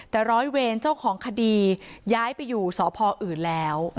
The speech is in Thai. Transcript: แต่ร้อยเวรเจ้าของคดีย้ายไปอยู่สพอื่นแล้ว